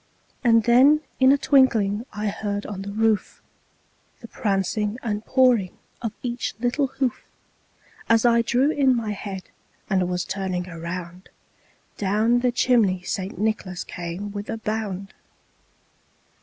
And then in a twinkling, I heard on the roof The prancing and pawing of each little hoof. As I drew in my head, and was turning around, Down the chimney St. Nicholas came with a bound.